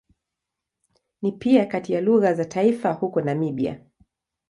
Ni pia kati ya lugha za taifa huko Namibia.